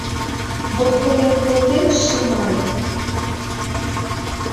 — Вот колен колтем, Шымай...